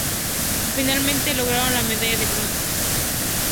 Finalmente lograron la medalla de bronce.